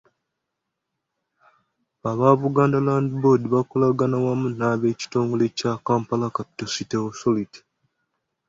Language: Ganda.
Aba Buganda Land Board bakolaganira wamu n’abekitongole kya Kampala Capital City Authority.